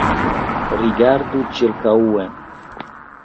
Rigardu ĉirkaŭen.